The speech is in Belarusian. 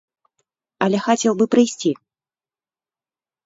Але хацеў бы прыйсці.